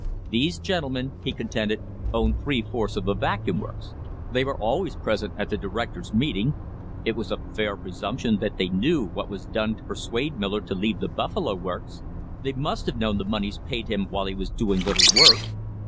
These gentlemen, he con tended, owned three fourths of the Vacuum Works; they were always present at directors' meetings; it was a fair presump tion that they knew what was done to persuade Miller to leave the Buffalo Works; they must have known the moneys paid him while he was doing little work.